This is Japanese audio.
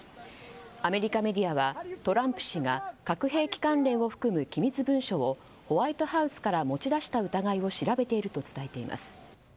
アメリカメディアはトランプ氏が核兵器関連を含む機密文書をホワイトハウスから持ち出した疑いを調べていると伝えています。